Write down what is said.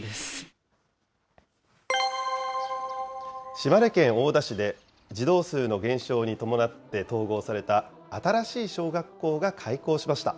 島根県大田市で、児童数の減少に伴って統合された新しい小学校が開校しました。